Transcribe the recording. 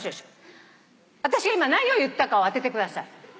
あたしが今何を言ったかを当ててください。